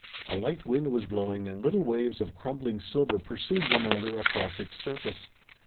A light wind was blowing, and little waves of crumbling silver pursued one another across its surface.